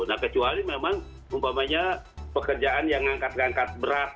nah kecuali memang umpamanya pekerjaan yang ngangkat ngangkat berat